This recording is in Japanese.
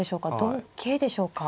同桂でしょうか。